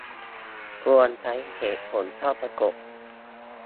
ควรใช้เหตุผลเข้าประกบ